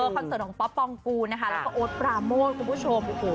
คอนเสิร์ตของป๊อปปองกูและโอ๊ตปราโมทคุณผู้ชม